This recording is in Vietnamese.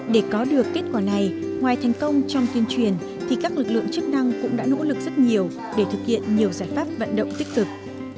để có được kết quả này ngoài thành công trong tuyên truyền thì các lực lượng chức năng cũng đã nỗ lực rất nhiều để thực hiện nhiều giải pháp vận động tích cực